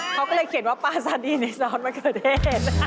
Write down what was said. เขาก็เลยเขียนว่าปลาซาดีในซอสมะเขือเทศ